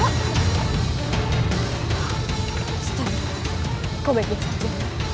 setelah itu kau baik baik saja